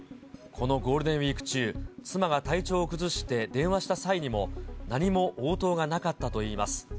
このゴールデンウィーク中、妻が体調を崩して電話した際にも、何も応答がなかったといいます。